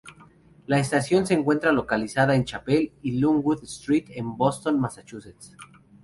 La estación se encuentra localizada en Chapel y Longwood Street en Boston, Massachusetts.